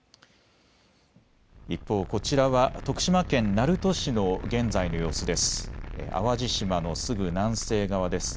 一方、こちらは徳島県鳴門市の現在の様子です。